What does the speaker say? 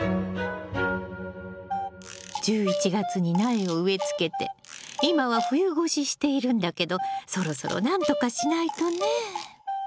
１１月に苗を植えつけて今は冬越ししているんだけどそろそろなんとかしないとね。